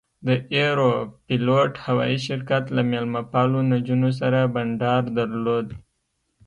د ایروفلوټ هوایي شرکت له میلمه پالو نجونو سره بنډار درلود.